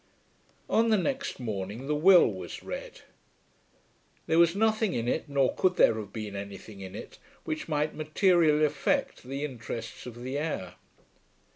On the next morning the will was read. There was nothing in it, nor could there have been anything in it, which might materially affect the interests of the heir.